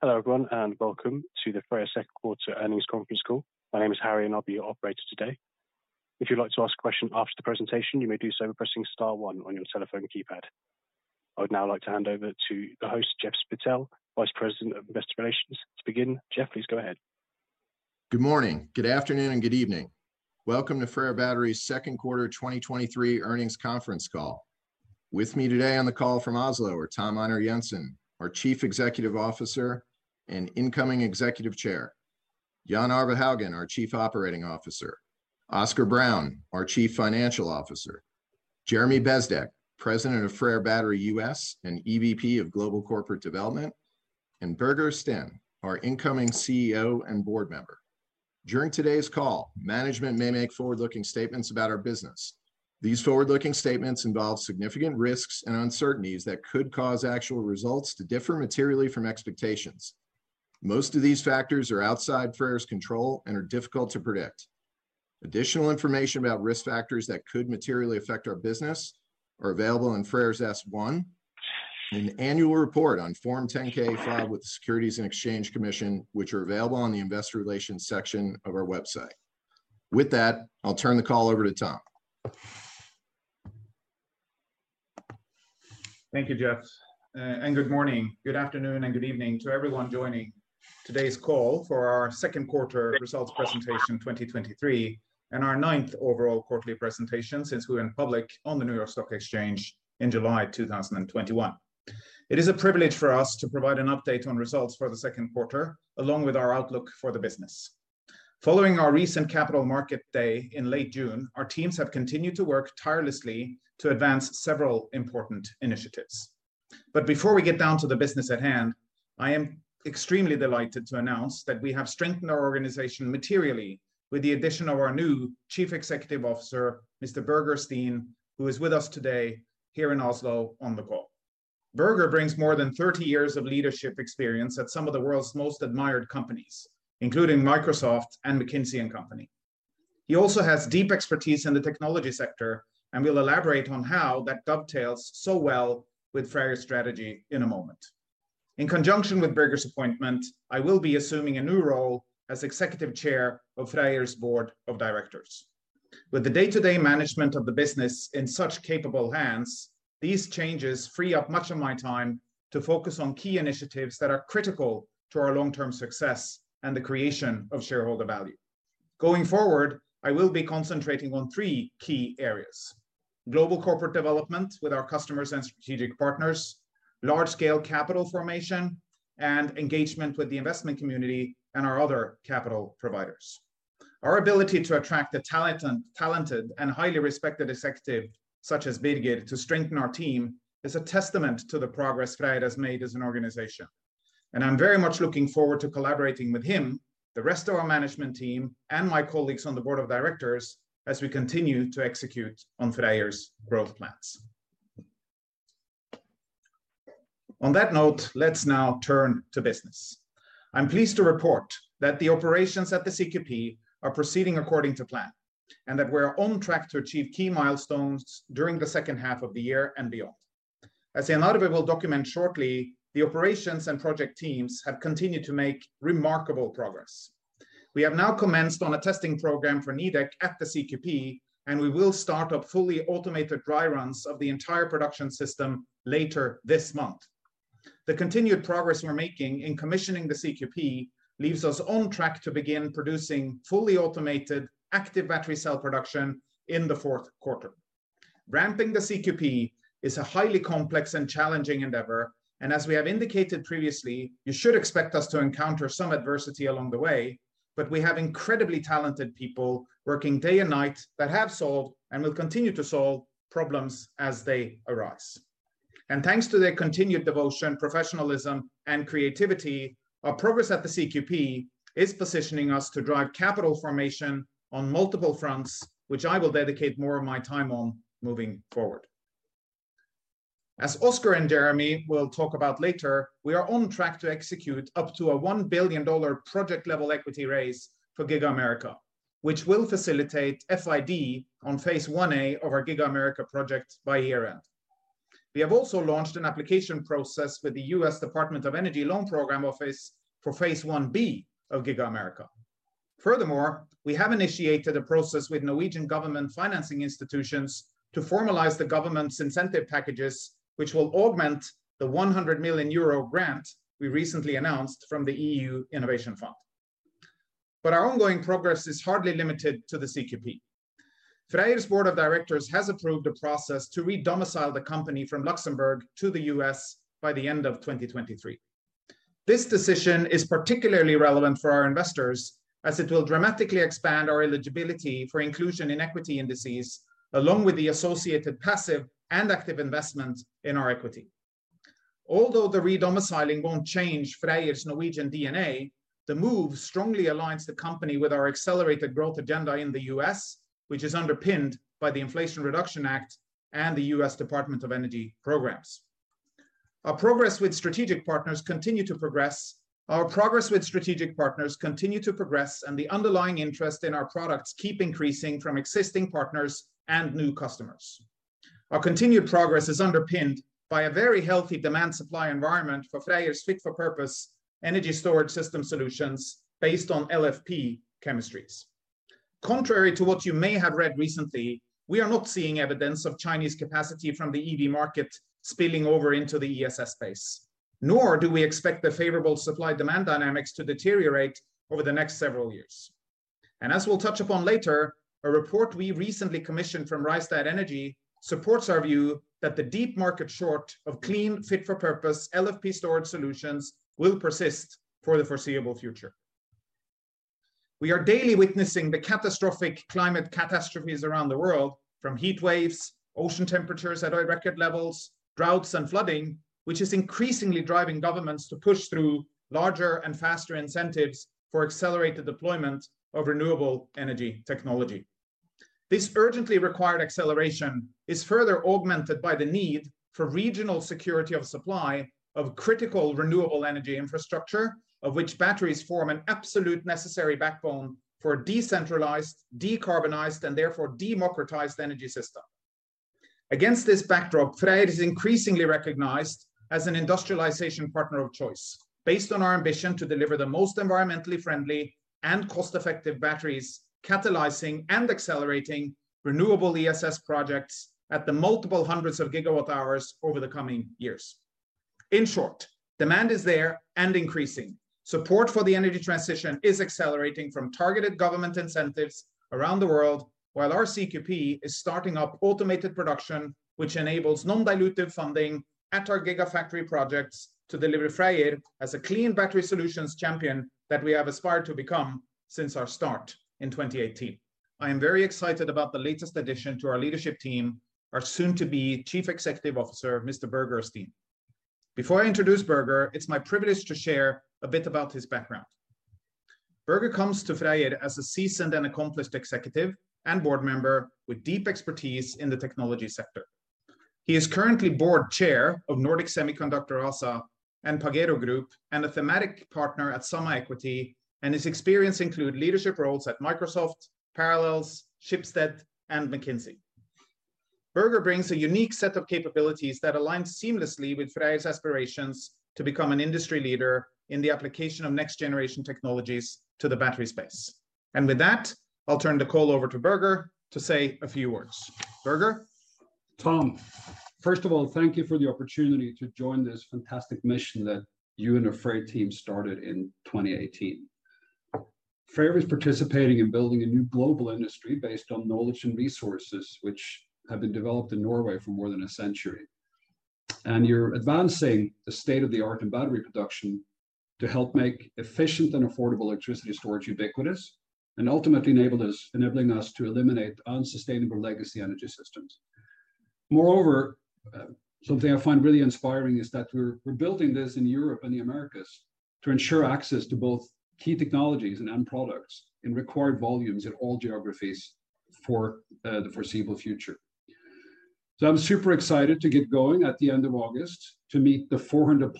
Hello, everyone, and welcome to the T1 Energy second quarter earnings conference call. My name is Harry, and I'll be your operator today. If you'd like to ask a question after the presentation, you may do so by pressing star one on your telephone keypad. I would now like to hand over to the host, Jeff Spittel, Vice President of Investor Relations. To begin, Jeff, please go ahead. Good morning, good afternoon, and good evening. Welcome to FREYR Battery's second quarter 2023 earnings conference call. With me today on the call from Oslo are Tom Einar Jensen, our Chief Executive Officer and incoming Executive Chair; Jan Arve Haugan, our Chief Operating Officer; Oscar Brown, our Chief Financial Officer; Jeremy Bezdek, President of FREYR Battery U.S. and EVP of Global Corporate Development; and Birger Steen, our incoming CEO and board member. During today's call, management may make forward-looking statements about our business. These forward-looking statements involve significant risks and uncertainties that could cause actual results to differ materially from expectations. Most of these factors are outside FREYR's control and are difficult to predict. Additional information about risk factors that could materially affect our business are available in FREYR's S-1 and annual report on Form 10-K filed with the Securities and Exchange Commission, which are available on the Investor Relations section of our website. With that, I'll turn the call over to Tom. Thank you, Jeff, good morning, good afternoon, and good evening to everyone joining today's call for our second quarter results presentation 2023, and our ninth overall quarterly presentation since we went public on the New York Stock Exchange in July 2021. It is a privilege for us to provide an update on results for the second quarter, along with our outlook for the business. Following our recent Capital Markets Day in late June, our teams have continued to work tirelessly to advance several important initiatives. Before we get down to the business at hand, I am extremely delighted to announce that we have strengthened our organization materially with the addition of our new Chief Executive Officer, Mr. Birger Steen, who is with us today here in Oslo on the call. Birger brings more than 30 years of leadership experience at some of the world's most admired companies, including Microsoft and McKinsey & Company. He also has deep expertise in the technology sector, and we'll elaborate on how that dovetails so well with FREYR's strategy in a moment. In conjunction with Birger's appointment, I will be assuming a new role as Executive Chair of FREYR's Board of Directors. With the day-to-day management of the business in such capable hands, these changes free up much of my time to focus on key initiatives that are critical to our long-term success and the creation of shareholder value. Going forward, I will be concentrating on three key areas: global corporate development with our customers and strategic partners, large-scale capital formation, and engagement with the investment community and our other capital providers. Our ability to attract a talented and highly respected executive, such as Birger, to strengthen our team, is a testament to the progress FREYR has made as an organization. I'm very much looking forward to collaborating with him, the rest of our management team, and my colleagues on the board of directors as we continue to execute on FREYR's growth plans. On that note, let's now turn to business. I'm pleased to report that the operations at the CQP are proceeding according to plan, and that we're on track to achieve key milestones during the second half of the year and beyond. As Jan Arve will document shortly, the operations and project teams have continued to make remarkable progress. We have now commenced on a testing program for Nidec at the CQP. We will start up fully automated dry runs of the entire production system later this month. The continued progress we're making in commissioning the CQP leaves us on track to begin producing fully automated active battery cell production in the fourth quarter. Ramping the CQP is a highly complex and challenging endeavor. As we have indicated previously, you should expect us to encounter some adversity along the way. We have incredibly talented people working day and night that have solved, and will continue to solve, problems as they arise. Thanks to their continued devotion, professionalism, and creativity, our progress at the CQP is positioning us to drive capital formation on multiple fronts, which I will dedicate more of my time on moving forward. As Oscar and Jeremy will talk about later, we are on track to execute up to a $1 billion project-level equity raise for Giga America, which will facilitate FID on phase I-A of our Giga America project by year-end. We have also launched an application process with the U.S. Department of Energy Loan Programs Office for phase I-B of Giga America. We have initiated a process with Norwegian government financing institutions to formalize the government's incentive packages, which will augment the 100 million euro grant we recently announced from the EU Innovation Fund. Our ongoing progress is hardly limited to the CQP. FREYR's Board of Directors has approved a process to redomicile the company from Luxembourg to the U.S. by the end of 2023. This decision is particularly relevant for our investors, as it will dramatically expand our eligibility for inclusion in equity indices, along with the associated passive and active investment in our equity. Although the redomiciling won't change FREYR's Norwegian DNA, the move strongly aligns the company with our accelerated growth agenda in the U.S., which is underpinned by the Inflation Reduction Act and the U.S. Department of Energy programs. Our progress with strategic partners continue to progress, and the underlying interest in our products keep increasing from existing partners and new customers. Our continued progress is underpinned by a very healthy demand-supply environment for FREYR's fit-for-purpose energy storage system solutions based on LFP chemistries. Contrary to what you may have read recently, we are not seeing evidence of Chinese capacity from the EV market spilling over into the ESS space, nor do we expect the favorable supply-demand dynamics to deteriorate over the next several years. As we'll touch upon later, a report we recently commissioned from Rystad Energy supports our view that the deep market short of clean, fit-for-purpose LFP storage solutions will persist for the foreseeable future. We are daily witnessing the catastrophic climate catastrophes around the world, from heat waves, ocean temperatures at record levels, droughts, and flooding, which is increasingly driving governments to push through larger and faster incentives for accelerated deployment of renewable energy technology. This urgently required acceleration is further augmented by the need for regional security of supply of critical renewable energy infrastructure, of which batteries form an absolute necessary backbone for a decentralized, decarbonized, and therefore democratized energy system. Against this backdrop, FREYR is increasingly recognized as an industrialization partner of choice, based on our ambition to deliver the most environmentally friendly and cost-effective batteries, catalyzing and accelerating renewable ESS projects at the multiple hundreds of gigawatt hours over the coming years. In short, demand is there and increasing. Support for the energy transition is accelerating from targeted government incentives around the world, while our CQP is starting up automated production, which enables non-dilutive funding at our gigafactory projects to deliver FREYR as a clean battery solutions champion that we have aspired to become since our start in 2018. I am very excited about the latest addition to our leadership team, our soon-to-be Chief Executive Officer, Mr. Birger Steen. Before I introduce Birger, it's my privilege to share a bit about his background. Birger comes to FREYR as a seasoned and accomplished executive and board member with deep expertise in the technology sector. He is currently board chair of Nordic Semiconductor ASA and Pagero Group, and a thematic partner at Summa Equity, his experience include leadership roles at Microsoft, Parallels, Schibsted, and McKinsey. Birger brings a unique set of capabilities that align seamlessly with FREYR's aspirations to become an industry leader in the application of next-generation technologies to the battery space. With that, I'll turn the call over to Birger to say a few words. Birger? Tom, first of all, thank you for the opportunity to join this fantastic mission that you and the FREYR team started in 2018. FREYR is participating in building a new global industry based on knowledge and resources, which have been developed in Norway for more than a century. You're advancing the state-of-the-art in battery production to help make efficient and affordable electricity storage ubiquitous, and ultimately enabling us to eliminate unsustainable legacy energy systems. Moreover, something I find really inspiring is that we're, we're building this in Europe and the Americas to ensure access to both key technologies and end products in required volumes in all geographies for the foreseeable future. I'm super excited to get going at the end of August to meet the 400+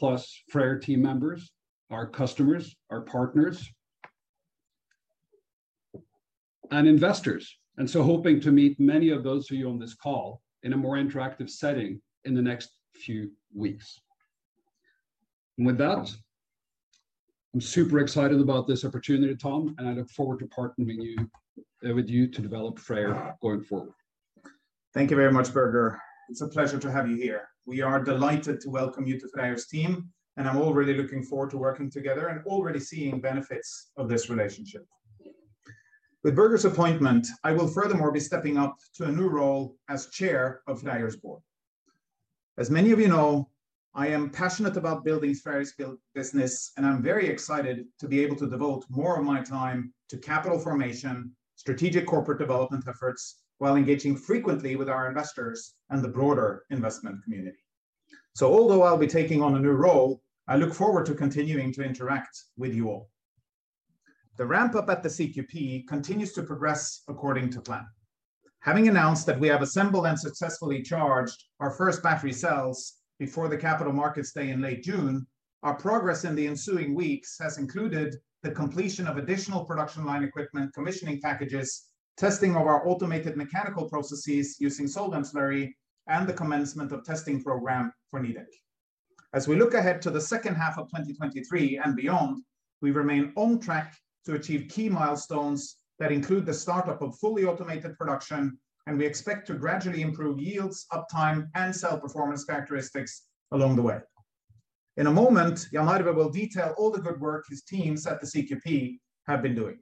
FREYR team members, our customers, our partners, and investors, and so hoping to meet many of those of you on this call in a more interactive setting in the next few weeks. With that, I'm super excited about this opportunity, Tom, and I look forward to partnering you with you to develop FREYR going forward. Thank you very much, Birger. It's a pleasure to have you here. We are delighted to welcome you to FREYR's team, and I'm already looking forward to working together and already seeing benefits of this relationship. With Birger's appointment, I will furthermore be stepping up to a new role as chair of FREYR's board. As many of you know, I am passionate about building FREYR's business, and I'm very excited to be able to devote more of my time to capital formation, strategic corporate development efforts, while engaging frequently with our investors and the broader investment community. Although I'll be taking on a new role, I look forward to continuing to interact with you all. The ramp-up at the CQP continues to progress according to plan. Having announced that we have assembled and successfully charged our first battery cells before the Capital Markets Day in late June, our progress in the ensuing weeks has included the completion of additional production line equipment, commissioning packages, testing of our automated mechanical processes using solid slurry, and the commencement of testing program for Nidec. As we look ahead to the second half of 2023 and beyond, we remain on track to achieve key milestones that include the startup of fully automated production, and we expect to gradually improve yields, uptime, and cell performance characteristics along the way. In a moment, Jan Arve will detail all the good work his teams at the CQP have been doing.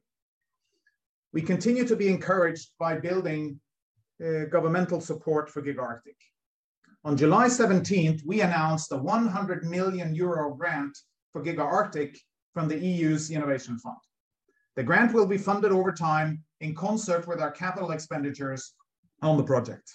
We continue to be encouraged by building governmental support for Giga Arctic. On July 17th, we announced a 100 million euro grant for Giga Arctic from the EU's Innovation Fund. The grant will be funded over time in concert with our capital expenditures on the project.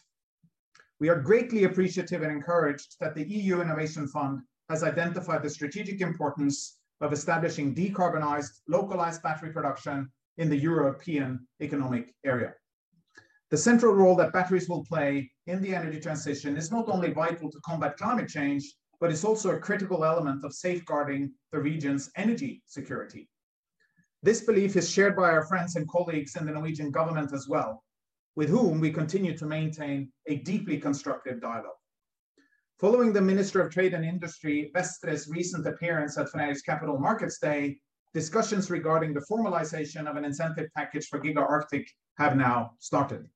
We are greatly appreciative and encouraged that the EU Innovation Fund has identified the strategic importance of establishing decarbonized, localized battery production in the European economic area. The central role that batteries will play in the energy transition is not only vital to combat climate change, but it's also a critical element of safeguarding the region's energy security. This belief is shared by our friends and colleagues in the Norwegian government as well, with whom we continue to maintain a deeply constructive dialogue. Following the Minister of Trade and Industry, Vestre's recent appearance at FREYR's Capital Markets Day, discussions regarding the formalization of an incentive package for Giga Arctic have now started.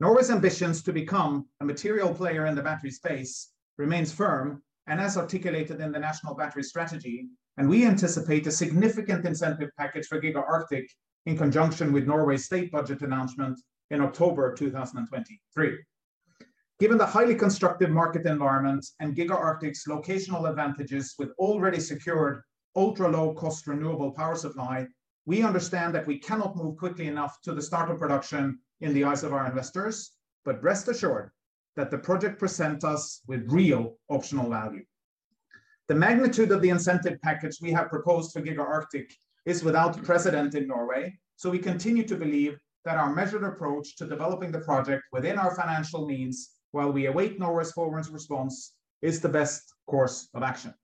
Norway's ambitions to become a material player in the battery space remains firm and as articulated in the National Battery Strategy. We anticipate a significant incentive package for Giga Arctic in conjunction with Norway's state budget announcement in October 2023. Given the highly constructive market environment and Giga Arctic's locational advantages with already secured ultra-low-cost renewable power supply, we understand that we cannot move quickly enough to the start of production in the eyes of our investors. Rest assured that the project presents us with real optional value. The magnitude of the incentive package we have proposed to Giga Arctic is without precedent in Norway. We continue to believe that our measured approach to developing the project within our financial means, while we await Norway's forward response, is the best course of action.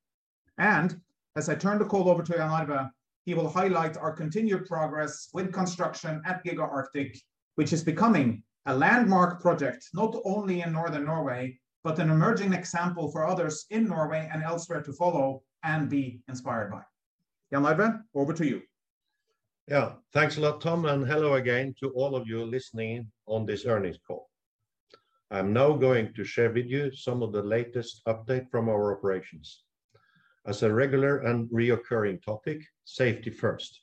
As I turn the call over to Jan Arve, he will highlight our continued progress with construction at Giga Arctic, which is becoming a landmark project, not only in northern Norway, but an emerging example for others in Norway and elsewhere to follow and be inspired by. Jan Arve, over to you. Thanks a lot, Tom, hello again to all of you listening in on this earnings call. I'm now going to share with you some of the latest update from our operations. As a regular and recurring topic, safety first.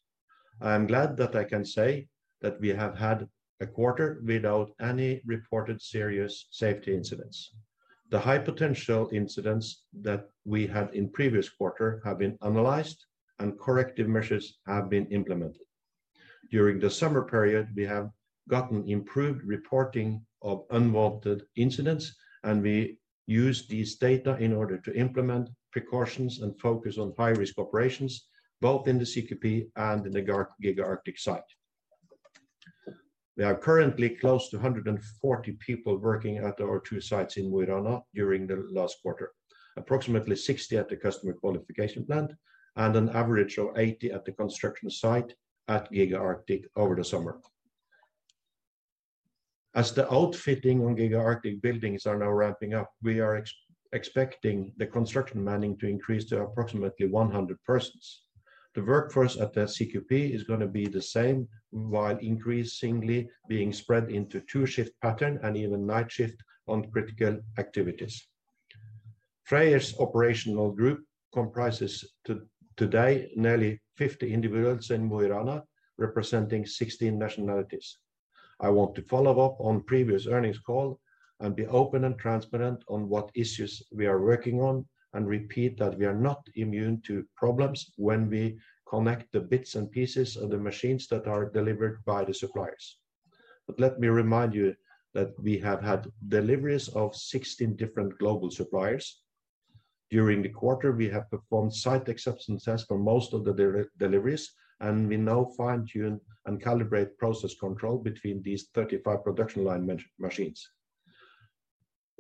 I'm glad that I can say that we have had a quarter without any reported serious safety incidents. The high potential incidents that we had in previous quarter have been analyzed, and corrective measures have been implemented. During the summer period, we have gotten improved reporting of unwanted incidents, and we use these data in order to implement precautions and focus on high-risk operations, both in the CQP and in the Giga Arctic site. There are currently close to 140 people working at our two sites in Mo i Rana during the last quarter. Approximately 60 at the customer qualification plant and an average of 80 at the construction site at Giga Arctic over the summer. As the outfitting on Giga Arctic buildings are now ramping up, we are expecting the construction manning to increase to approximately 100 persons. The workforce at the CQP is gonna be the same, while increasingly being spread into two shift pattern and even night shift on critical activities. FREYR's operational group comprises today, nearly 50 individuals in Mo i Rana, representing 16 nationalities. I want to follow up on previous earnings call and be open and transparent on what issues we are working on, and repeat that we are not immune to problems when we connect the bits and pieces of the machines that are delivered by the suppliers. Let me remind you that we have had deliveries of 16 different global suppliers. During the quarter, we have performed site acceptance tests for most of the deliveries, we now fine-tune and calibrate process control between these 35 production line machines.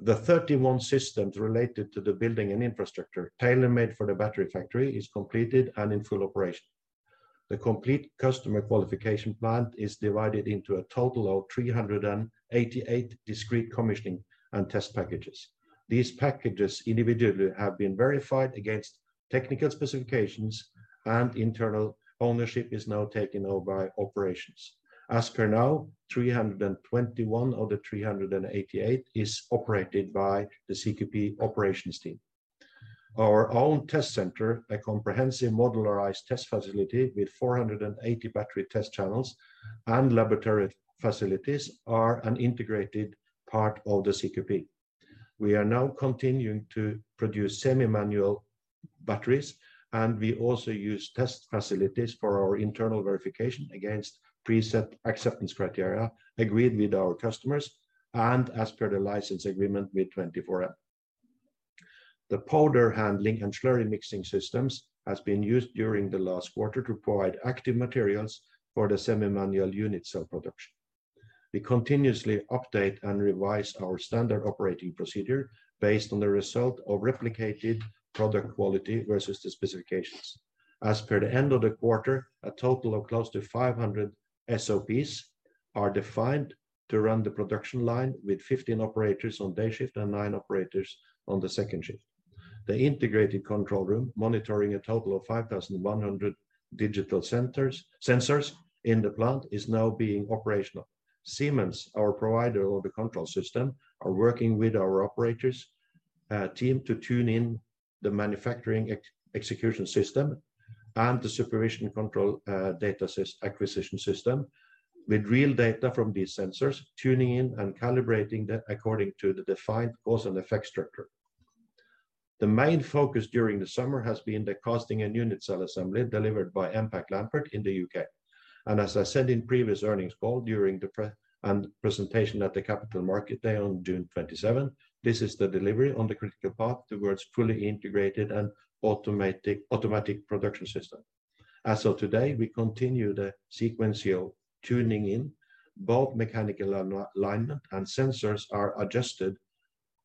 The 31 systems related to the building and infrastructure, tailor-made for the battery factory, is completed and in full operation. The complete customer qualification plant is divided into a total of 388 discrete commissioning and test packages. These packages individually have been verified against technical specifications, internal ownership is now taken over by operations. As per now, 321 of the 388 is operated by the CQP operations team. Our own test center, a comprehensive modularized test facility with 480 battery test channels and laboratory facilities, are an integrated part of the CQP. We are now continuing to produce semi-manual batteries. We also use test facilities for our internal verification against preset acceptance criteria agreed with our customers and as per the license agreement with 24M. The powder handling and slurry mixing systems has been used during the last quarter to provide active materials for the semi-manual unit cell production. We continuously update and revise our standard operating procedure based on the result of replicated product quality versus the specifications. As per the end of the quarter, a total of close to 500 SOPs are defined to run the production line, with 15 operators on day shift and nine operators on the second shift. The integrated control room, monitoring a total of 5,100 digital sensors in the plant, is now being operational. Siemens, our provider of the control system, are working with our operators team to tune in the manufacturing execution system and the supervision control, data acquisition system, with real data from these sensors, tuning in and calibrating the according to the defined cause and effect structure. The main focus during the summer has been the casting and unit cell assembly delivered by Mpac Lambert in the U.K. As I said in previous earnings call, during the presentation at the Capital Market Day on June 27th, this is the delivery on the critical path towards fully integrated and automatic, automatic production system. As of today, we continue the sequence of tuning in, both mechanical alignment and sensors are adjusted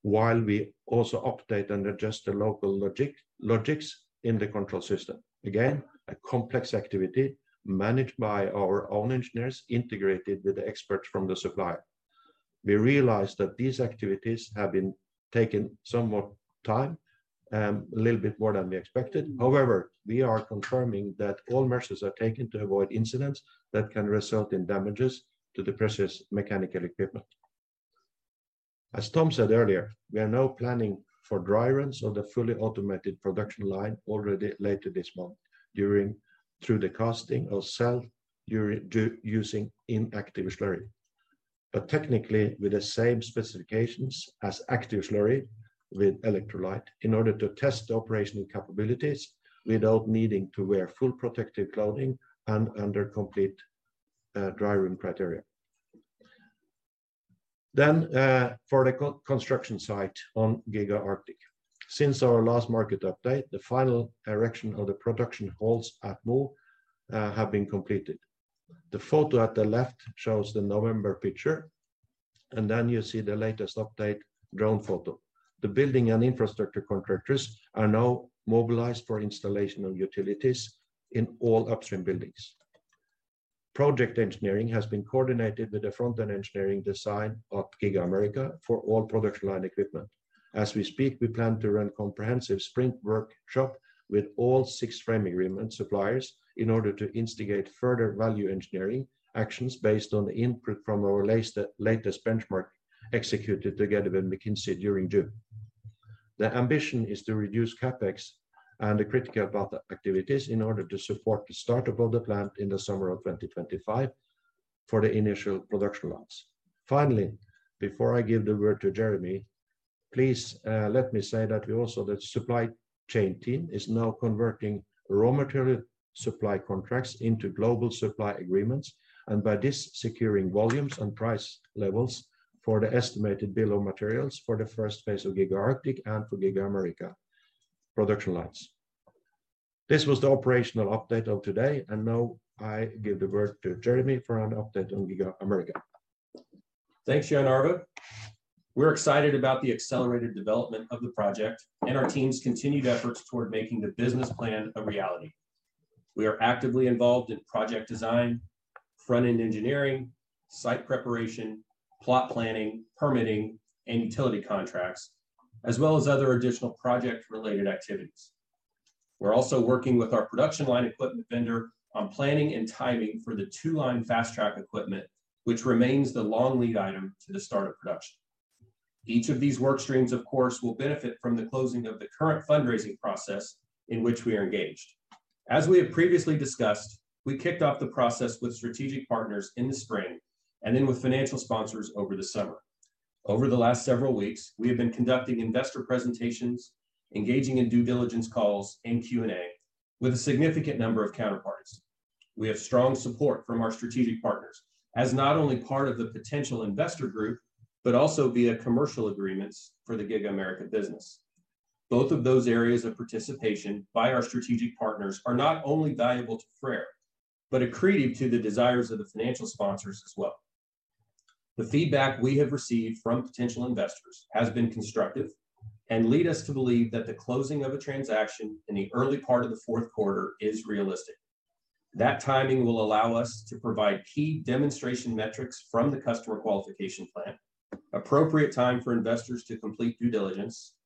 while we also update and adjust the local logic, logics in the control system. A complex activity managed by our own engineers, integrated with the experts from the supplier. We realize that these activities have been taking somewhat time, a little bit more than we expected. We are confirming that all measures are taken to avoid incidents that can result in damages to the precious mechanical equipment. As Tom said earlier, we are now planning for dry runs on the fully automated production line already later this month, during through the casting of cell, during using inactive slurry. Technically, with the same specifications as active slurry with electrolyte, in order to test the operational capabilities without needing to wear full protective clothing and under complete dry room criteria. For the construction site on Giga Arctic. Since our last market update, the final erection of the production halls at Mo have been completed. The photo at the left shows the November picture, and then you see the latest update drone photo. The building and infrastructure contractors are now mobilized for installation of utilities in all upstream buildings. Project engineering has been coordinated with the front-end engineering design of Giga America for all production line equipment. As we speak, we plan to run comprehensive sprint workshop with all six frame agreement suppliers in order to instigate further value engineering actions based on the input from our latest, latest benchmark executed together with McKinsey during June. The ambition is to reduce CapEx and the critical path activities in order to support the start-up of the plant in the summer of 2025 for the initial production lines. Finally, before I give the word to Jeremy, please let me say that we also, the supply chain team is now converting raw material supply contracts into global supply agreements, and by this, securing volumes and price levels for the estimated bill of materials for the first phase of Giga Arctic and for Giga America production lines. This was the operational update of today. Now I give the word to Jeremy for an update on Giga America. Thanks, Jan Arve. We're excited about the accelerated development of the project and our team's continued efforts toward making the business plan a reality. We are actively involved in project design, front-end engineering, site preparation, plot planning, permitting, and utility contracts, as well as other additional project-related activities. We're also working with our production line equipment vendor on planning and timing for the two-line fast track equipment, which remains the long lead item to the start of production. Each of these work streams, of course, will benefit from the closing of the current fundraising process in which we are engaged. As we have previously discussed, we kicked off the process with strategic partners in the spring, and then with financial sponsors over the summer. Over the last several weeks, we have been conducting investor presentations, engaging in due diligence calls and Q&A with a significant number of counterparts. We have strong support from our strategic partners as not only part of the potential investor group, but also via commercial agreements for the Giga America business. Both of those areas of participation by our strategic partners are not only valuable to FREYR, but accretive to the desires of the financial sponsors as well. The feedback we have received from potential investors has been constructive and lead us to believe that the closing of a transaction in the early part of the fourth quarter is realistic. That timing will allow us to provide key demonstration metrics from the customer qualification plan, appropriate time for investors to complete due diligence,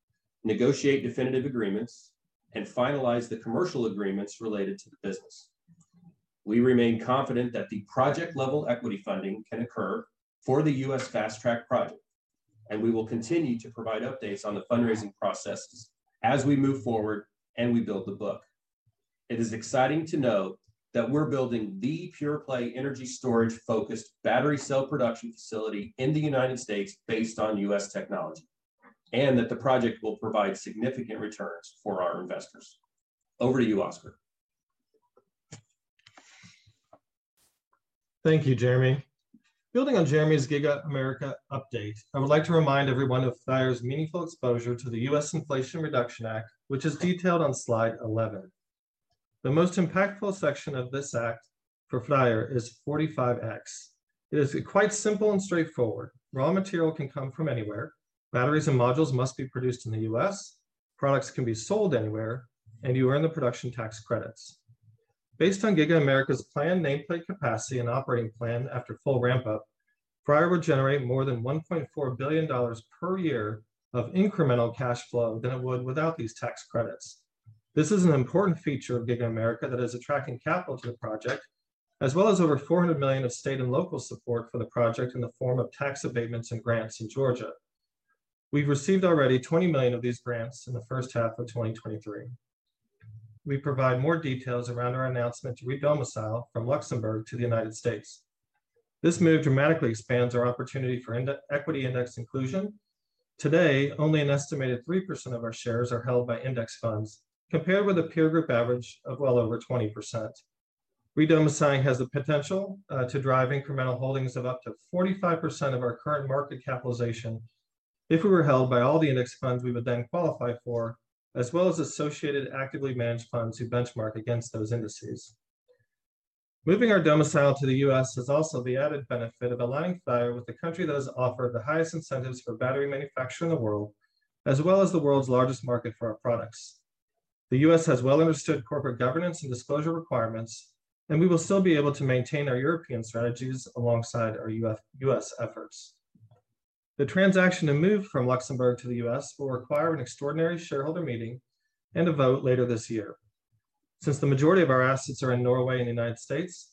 negotiate definitive agreements, and finalize the commercial agreements related to the business. We remain confident that the project-level equity funding can occur for the U.S. Fast Track project, and we will continue to provide updates on the fundraising processes as we move forward and we build the book. It is exciting to know that we're building the pure-play energy storage-focused battery cell production facility in the United States based on U.S. technology, and that the project will provide significant returns for our investors. Over to you, Oscar. Thank you, Jeremy. Building on Jeremy's Giga America update, I would like to remind everyone of FREYR's meaningful exposure to the U.S. Inflation Reduction Act, which is detailed on slide 11. The most impactful section of this act for FREYR is 45x. It is quite simple and straightforward. Raw material can come from anywhere, batteries and modules must be produced in the U.S., products can be sold anywhere, and you earn the production tax credits. Based on Giga America's planned nameplate capacity and operating plan after full ramp-up, FREYR will generate more than $1.4 billion per year of incremental cash flow than it would without these tax credits. This is an important feature of Giga America that is attracting capital to the project, as well as over $400 million of state and local support for the project in the form of tax abatements and grants in Georgia. We've received already $20 million of these grants in the first half of 2023. We provide more details around our announcement to re-domicile from Luxembourg to the United States. This move dramatically expands our opportunity for equity index inclusion. Today, only an estimated 3% of our shares are held by index funds, compared with a peer group average of well over 20%. Re-domiciling has the potential to drive incremental holdings of up to 45% of our current market capitalization if we were held by all the index funds we would then qualify for, as well as associated actively managed funds who benchmark against those indices. Moving our domicile to the U.S. has also the added benefit of aligning FREYR with the country that has offered the highest incentives for battery manufacturing in the world, as well as the world's largest market for our products. The U.S. has well understood corporate governance and disclosure requirements, and we will still be able to maintain our European strategies alongside our U.S. efforts. The transaction to move from Luxembourg to the U.S. will require an extraordinary shareholder meeting and a vote later this year. Since the majority of our assets are in Norway and the United States,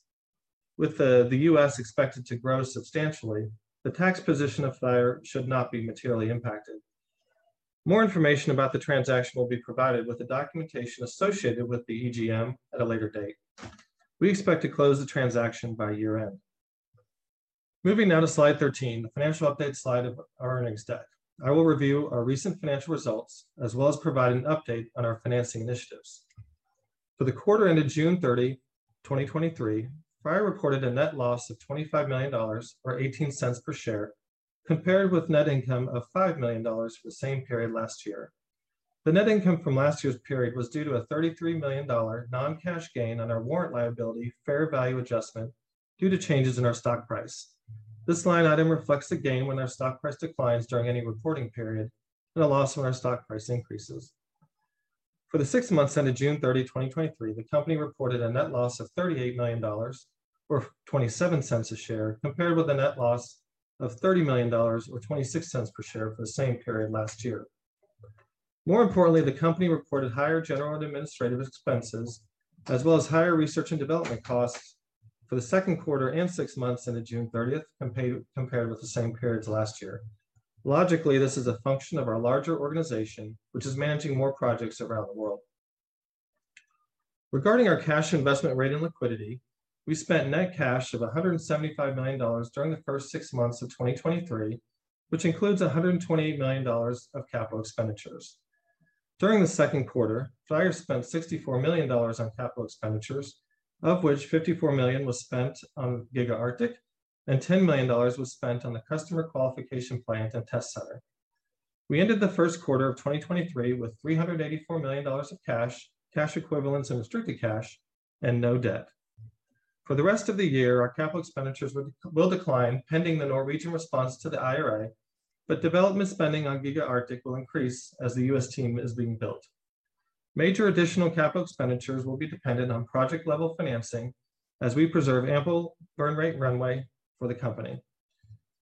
with the, the U.S. expected to grow substantially, the tax position of FREYR should not be materially impacted. More information about the transaction will be provided with the documentation associated with the EGM at a later date. We expect to close the transaction by year-end. Moving now to slide 13, the financial update slide of our earnings deck. I will review our recent financial results, as well as provide an update on our financing initiatives. For the quarter ended June 30, 2023, FREYR reported a net loss of $25 million, or $0.18 per share, compared with net income of $5 million for the same period last year. The net income from last year's period was due to a $33 million non-cash gain on our warrant liability fair value adjustment due to changes in our stock price. This line item reflects a gain when our stock price declines during any reporting period, and a loss when our stock price increases. For the six months ended June 30, 2023, the company reported a net loss of $38 million, or $0.27 a share, compared with a net loss of $30 million, or $0.26 per share, for the same period last year. More importantly, the company reported higher general and administrative expenses, as well as higher research and development costs for the second quarter and six months ended June 30th, compared with the same periods last year. Logically, this is a function of our larger organization, which is managing more projects around the world. Regarding our cash investment rate and liquidity, we spent net cash of $175 million during the first six months of 2023, which includes $128 million of CapEx. During the second quarter, FREYR spent $64 million on CapEx, of which $54 million was spent on Giga Arctic, and $10 million was spent on the customer qualification plant and test center. We ended the first quarter of 2023 with $384 million of cash, cash equivalents, and restricted cash, and no debt. For the rest of the year, our CapEx will decline pending the Norwegian response to the IRA, but development spending on Giga Arctic will increase as the U.S. team is being built. Major additional capital expenditures will be dependent on project-level financing as we preserve ample burn rate runway for the company.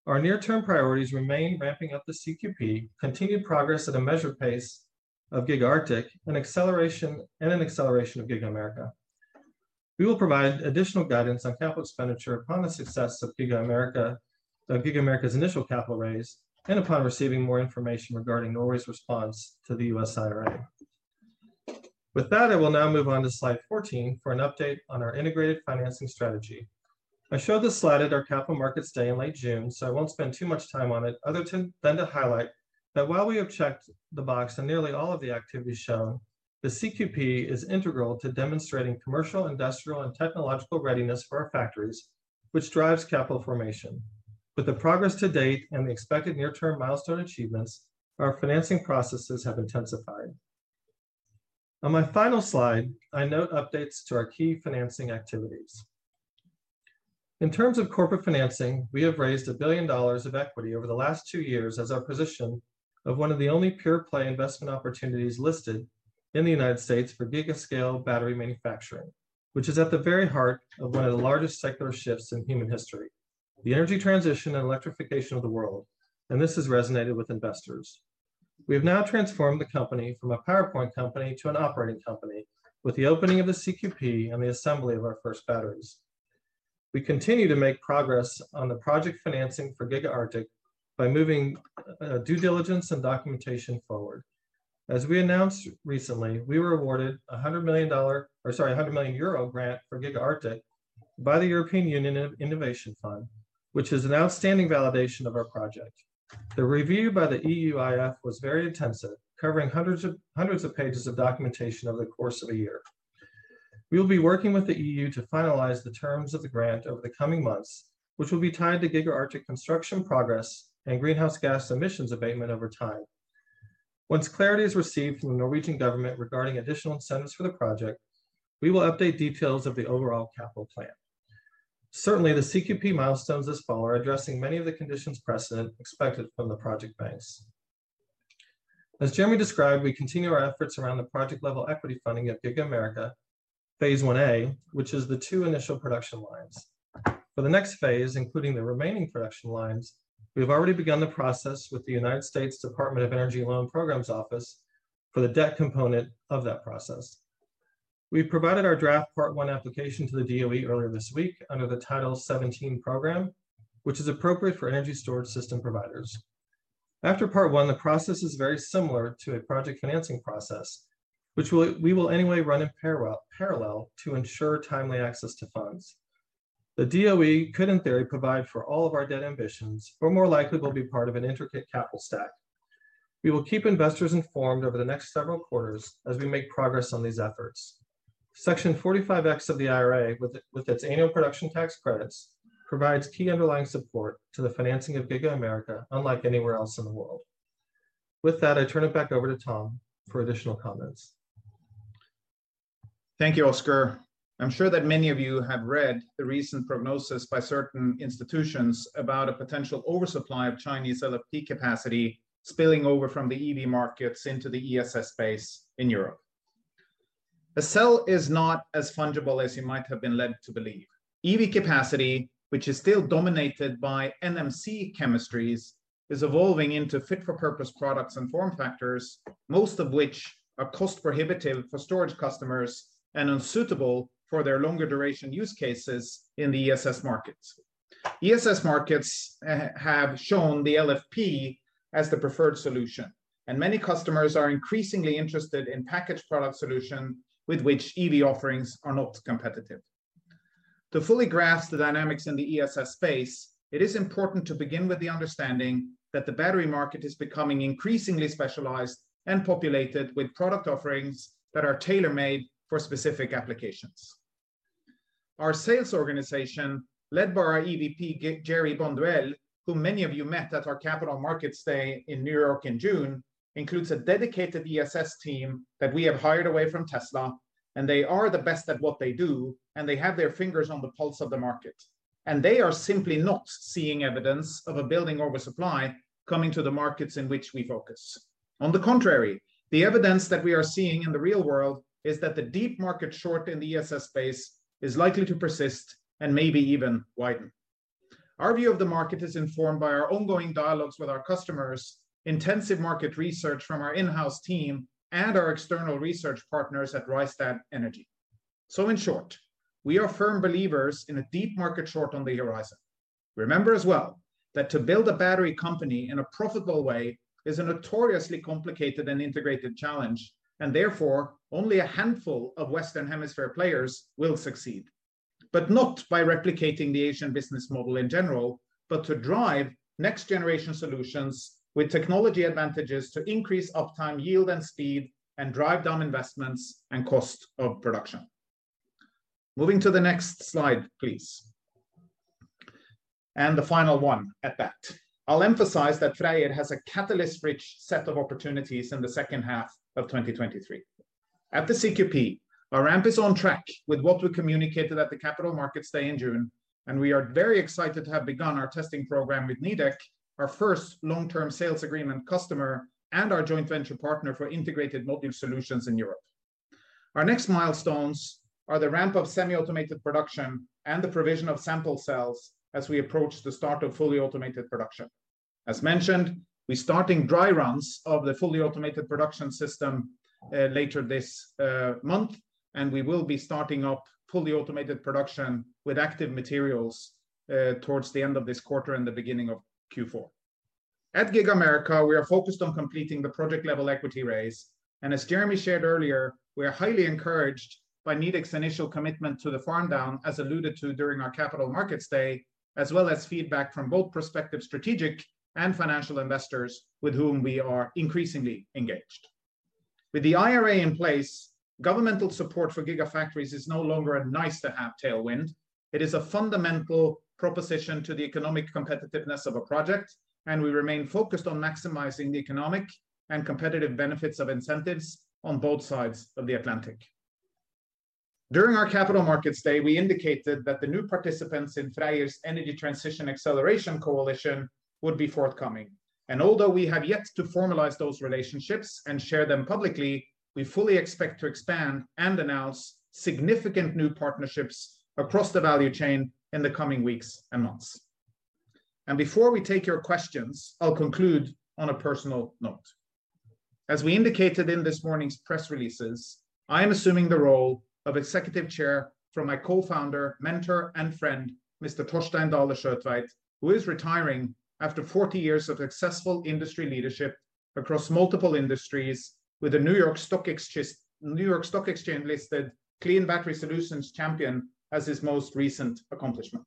Our near-term priorities remain ramping up the CQP, continued progress at a measured pace of Giga Arctic, and acceleration, and an acceleration of Giga America. We will provide additional guidance on capital expenditure upon the success of Giga America, on Giga America's initial capital raise, and upon receiving more information regarding Norway's response to the U.S. IRA. With that, I will now move on to slide 14 for an update on our integrated financing strategy. I showed this slide at our Capital Markets Day in late June, I won't spend too much time on it other than to highlight that while we have checked the box on nearly all of the activities shown, the CQP is integral to demonstrating commercial, industrial, and technological readiness for our factories, which drives capital formation. With the progress to date and the expected near-term milestone achievements, our financing processes have intensified. On my final slide, I note updates to our key financing activities. In terms of corporate financing, we have raised $1 billion of equity over the last two years as our position of one of the only pure-play investment opportunities listed in the United States for giga scale battery manufacturing, which is at the very heart of one of the largest secular shifts in human history, the energy transition and electrification of the world. This has resonated with investors. We have now transformed the company from a PowerPoint company to an operating company with the opening of the CQP and the assembly of our first batteries. We continue to make progress on the project financing for Giga Arctic by moving due diligence and documentation forward. As we announced recently, we were awarded a $100 million, or sorry, a 100 million euro grant for Giga Arctic by the European Union Innovation Fund, which is an outstanding validation of our project. The review by the EUIF was very intensive, covering hundreds of pages of documentation over the course of a year. We will be working with the EU to finalize the terms of the grant over the coming months, which will be tied to Giga Arctic construction progress and greenhouse gas emissions abatement over time. Once clarity is received from the Norwegian government regarding additional incentives for the project, we will update details of the overall capital plan. Certainly, the CQP milestones this fall are addressing many of the conditions precedent expected from the project banks. As Jeremy described, we continue our efforts around the project-level equity funding at Giga America, phase I-A, which is the two initial production lines. For the next phase, including the remaining production lines, we've already begun the process with the U.S. Department of Energy Loan Programs Office for the debt component of that process. We provided our draft Part one application to the DOE earlier this week under the Title 17 program, which is appropriate for energy storage system providers. After Part one, the process is very similar to a project financing process, which we will anyway run in parallel to ensure timely access to funds. The DOE could, in theory, provide for all of our debt ambitions, more likely will be part of an intricate capital stack. We will keep investors informed over the next several quarters as we make progress on these efforts. Section 45X of the IRA, with, with its annual production tax credits, provides key underlying support to the financing of Giga America, unlike anywhere else in the world. With that, I turn it back over to Tom for additional comments. Thank you, Oscar. I'm sure that many of you have read the recent prognosis by certain institutions about a potential oversupply of Chinese LFP capacity spilling over from the EV markets into the ESS space in Europe. A cell is not as fungible as you might have been led to believe. EV capacity, which is still dominated by NMC chemistries, is evolving into fit-for-purpose products and form factors, most of which are cost prohibitive for storage customers and unsuitable for their longer duration use cases in the ESS markets. ESS markets have shown the LFP as the preferred solution, and many customers are increasingly interested in packaged product solution with which EV offerings are not competitive. To fully grasp the dynamics in the ESS space, it is important to begin with the understanding that the battery market is becoming increasingly specialized and populated with product offerings that are tailor-made for specific applications. Our sales organization, led by our EVP, Gery Bonduelle, who many of you met at our Capital Markets Day in New York in June, includes a dedicated ESS team that we have hired away from Tesla. They are the best at what they do. They have their fingers on the pulse of the market. They are simply not seeing evidence of a building oversupply coming to the markets in which we focus. On the contrary, the evidence that we are seeing in the real world is that the deep market short in the ESS space is likely to persist and maybe even widen. Our view of the market is informed by our ongoing dialogues with our customers, intensive market research from our in-house team, and our external research partners at Rystad Energy. In short, we are firm believers in a deep market short on the horizon. Remember as well, that to build a battery company in a profitable way is a notoriously complicated and integrated challenge, and therefore, only a handful of Western Hemisphere players will succeed. Not by replicating the Asian business model in general, but to drive next-generation solutions with technology advantages to increase uptime, yield, and speed, and drive down investments and cost of production. Moving to the next slide, please. The final one at that. I'll emphasize that FREYR has a catalyst-rich set of opportunities in the second half of 2023. At the CQP, our ramp is on track with what we communicated at the Capital Markets Day in June, and we are very excited to have begun our testing program with Nidec, our first long-term sales agreement customer and our joint venture partner for integrated motive solutions in Europe. Our next milestones are the ramp of semi-automated production and the provision of sample cells as we approach the start of fully automated production. As mentioned, we're starting dry runs of the fully automated production system later this month, and we will be starting up fully automated production with active materials towards the end of this quarter and the beginning of Q4. At Giga America, we are focused on completing the project-level equity raise, and as Jeremy shared earlier, we are highly encouraged by Nidec's initial commitment to the farm down, as alluded to during our Capital Markets Day, as well as feedback from both prospective strategic and financial investors with whom we are increasingly engaged. With the IRA in place, governmental support for gigafactories is no longer a nice-to-have tailwind. It is a fundamental proposition to the economic competitiveness of a project, and we remain focused on maximizing the economic and competitive benefits of incentives on both sides of the Atlantic. During our Capital Markets Day, we indicated that the new participants in FREYR's Energy Transition Acceleration Coalition would be forthcoming. Although we have yet to formalize those relationships and share them publicly, we fully expect to expand and announce significant new partnerships across the value chain in the coming weeks and months. Before we take your questions, I'll conclude on a personal note. As we indicated in this morning's press releases, I am assuming the role of Executive Chair from my co-founder, mentor, and friend, Mr. Torstein Dale Sjøtveit, who is retiring after 40 years of successful industry leadership across multiple industries with the New York Stock Exchange-listed Clean Battery Solutions champion as his most recent accomplishment.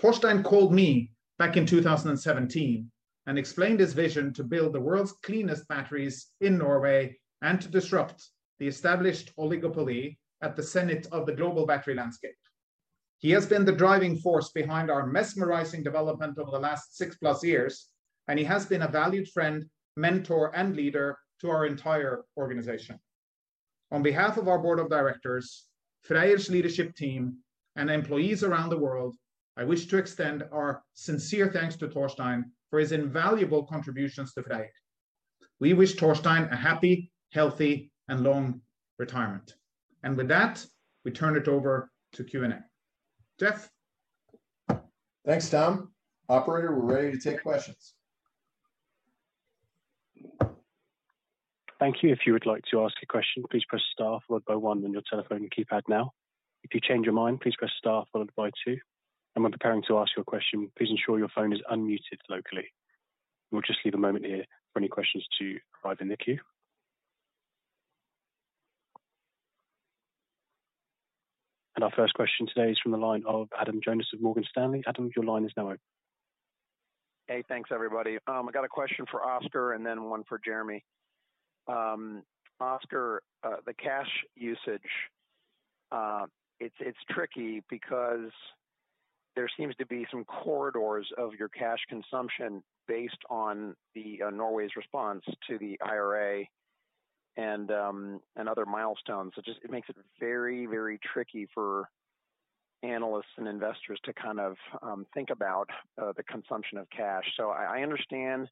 Torstein called me back in 2017 and explained his vision to build the world's cleanest batteries in Norway and to disrupt the established oligopoly at the senate of the global battery landscape. He has been the driving force behind our mesmerizing development over the last 6+ years, and he has been a valued friend, mentor, and leader to our entire organization. On behalf of our board of directors, FREYR's leadership team, and employees around the world, I wish to extend our sincere thanks to Torstein for his invaluable contributions to FREYR. We wish Torstein a happy, healthy, and long retirement. With that, we turn it over to Q&A. Jeff? Thanks, Tom. Operator, we're ready to take questions. Thank you. If you would like to ask a question, please press star followed by one on your telephone keypad now. If you change your mind, please press star followed by two. When preparing to ask your question, please ensure your phone is unmuted locally. We'll just leave a moment here for any questions to arrive in the queue. Our first question today is from the line of Adam Jonas of Morgan Stanley. Adam, your line is now open. Hey, thanks, everybody. I got a question for Oscar and then one for Jeremy. Oscar, the cash usage, it's tricky because there seems to be some corridors of your cash consumption based on Norway's response to the IRA and other milestones. It makes it very, very tricky for analysts and investors to kind of think about the consumption of cash. I understand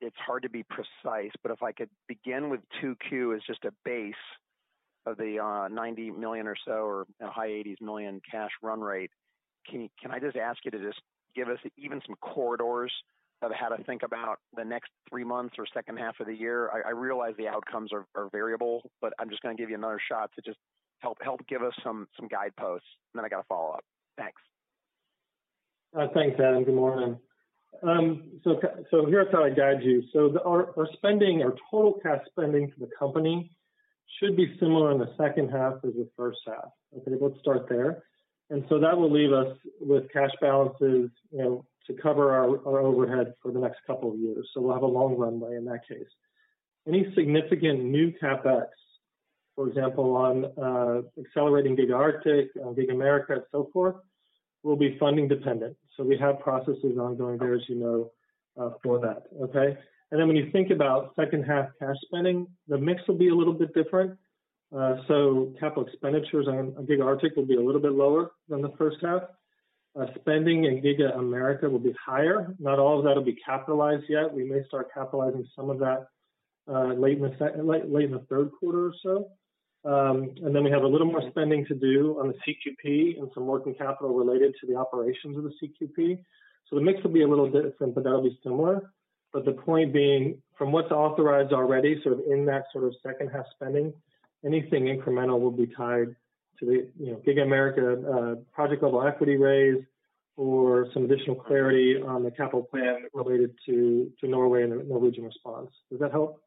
it's hard to be precise, but if I could begin with 2Q as just a base of the $90 million or so, or high $80 million cash run rate, can I just ask you to just give us even some corridors of how to think about the next three months or second half of the year? I, I realize the outcomes are, are variable, but I'm just gonna give you another shot to just help, help give us some, some guideposts. Then I got a follow-up. Thanks. Thanks, Adam. Good morning. So here's how I'd guide you. So our, our spending, our total cash spending for the company should be similar in the second half as the first half. Okay, let's start there. That will leave us with cash balances, you know, to cover our, our overhead for the next couple of years, so we'll have a long runway in that case. Any significant new CapEx, for example, on accelerating Giga Arctic, Giga America, and so forth, will be funding dependent. So we have processes ongoing there, as you know, for that, okay? When you think about second half cash spending, the mix will be a little bit different. So capital expenditures on Giga Arctic will be a little bit lower than the first half. Spending in Giga America will be higher. Not all of that will be capitalized yet. We may start capitalizing some of that, late in the third quarter or so. Then we have a little more spending to do on the CQP and some working capital related to the operations of the CQP. The mix will be a little different, but that'll be similar. The point being, from what's authorized already, sort of in that sort of second half spending, anything incremental will be tied to the, you know, Giga America, project-level equity raise or some additional clarity on the capital plan related to, to Norway and the Norwegian response. Does that help?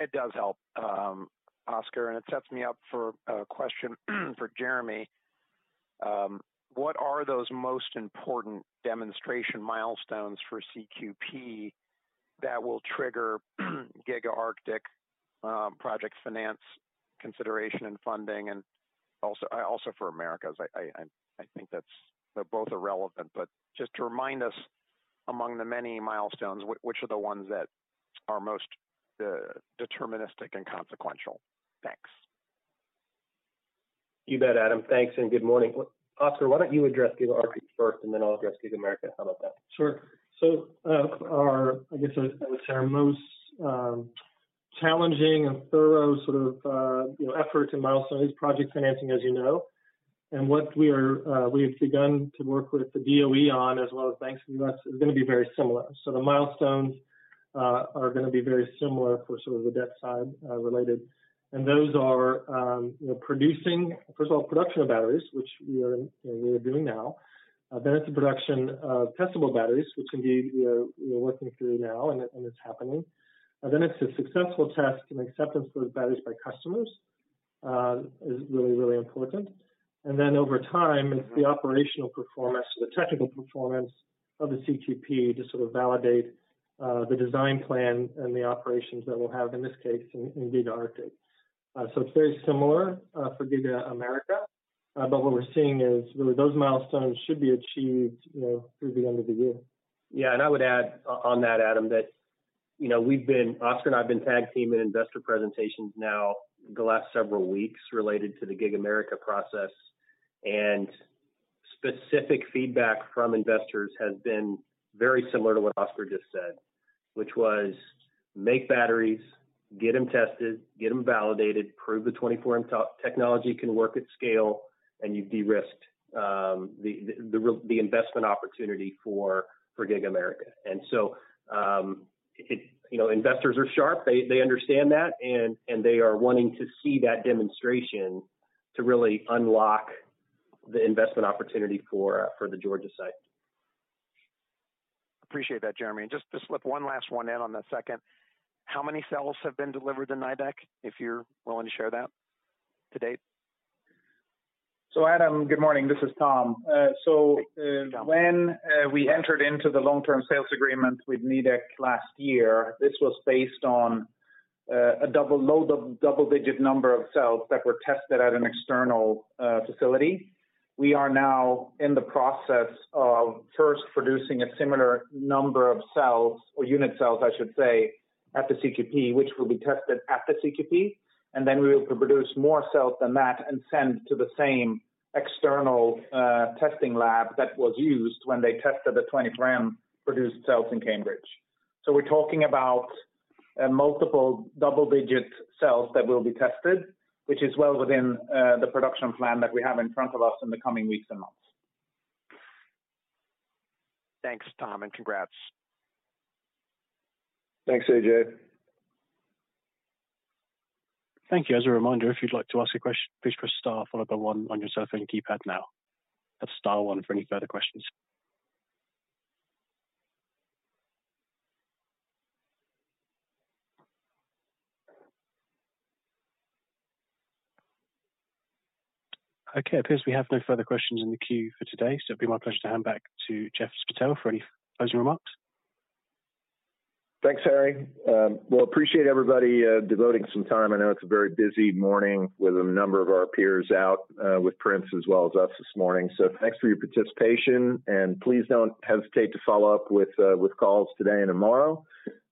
It does help, Oscar, and it sets me up for a question for Jeremy. What are those most important demonstration milestones for CQP that will trigger Giga Arctic, project finance consideration and funding, and also, also for Americas? I think that's... They both are relevant, but just to remind us, among the many milestones, which are the ones that are most deterministic and consequential? Thanks. You bet, Adam. Thanks, and good morning. Oscar, why don't you address Giga Arctic first, and then I'll address Giga America? How about that? Sure. Our, I guess, I would say our most challenging and thorough sort of, you know, effort to milestone is project financing, as you know. What we are, we've begun to work with the DOE on, as well as banks in the U.S., is gonna be very similar. The milestones are gonna be very similar for sort of the debt side, related. Those are, you know, producing-- first of all, production of batteries, which we are, you know, we are doing now. Then it's the production of testable batteries, which indeed we are, we are working through now, and it's happening. Then it's a successful test, and acceptance of those batteries by customers, is really, really important. Then over time, it's the operational performance, the technical performance of the CQP to sort of validate the design plan and the operations that we'll have, in this case, in, in Giga Arctic. It's very similar for Giga America, but what we're seeing is, really, those milestones should be achieved, you know, through the end of the year. Yeah, and I would add on that, Adam, that, you know, Oscar and I have been tag-teaming investor presentations now the last several weeks related to the Giga America process, and specific feedback from investors has been very similar to what Oscar just said, which was: make batteries, get them tested, get them validated, prove the 24M technology can work at scale, and you've de-risked the real investment opportunity for Giga America. It, you know, investors are sharp. They understand that, and they are wanting to see that demonstration to really unlock the investment opportunity for the Georgia site. Appreciate that, Jeremy. Just to slip one last one in on the second: How many cells have been delivered to Nidec, if you're willing to share that, to date? Adam, good morning. This is Tom. Thanks, Tom. When we entered into the long-term sales agreement with Nidec last year, this was based on a double load of double-digit number of cells that were tested at an external facility. We are now in the process of first producing a similar number of cells, or unit cells, I should say, at the CQP, which will be tested at the CQP, and then we will produce more cells than that and send to the same external testing lab that was used when they tested the 24M produced cells in Cambridge. We're talking about multiple double-digit cells that will be tested, which is well within the production plan that we have in front of us in the coming weeks and months. Thanks, Tom, and congrats. Thanks, AJ. Thank you. As a reminder, if you'd like to ask a question, please press star followed by one on your cell phone keypad now. That's star one for any further questions. Okay, it appears we have no further questions in the queue for today, so it'd be my pleasure to hand back to Jeff Spittel for any closing remarks. Thanks, Harry. Well, appreciate everybody devoting some time. I know it's a very busy morning with a number of our peers out with prints as well as us this morning. Thanks for your participation, and please don't hesitate to follow up with calls today and tomorrow.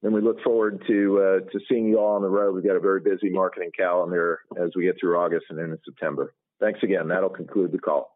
We look forward to seeing you all on the road. We've got a very busy marketing calendar as we get through August and into September. Thanks again. That'll conclude the call.